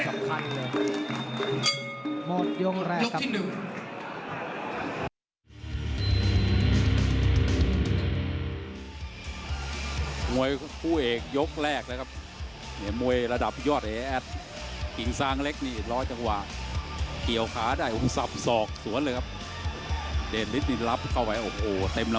จะถือว่าเป็นนักการคุณค้นแบบไทย